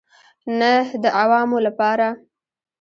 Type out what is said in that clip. نه د عوامو لپاره.